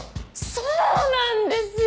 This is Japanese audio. そうなんですよ！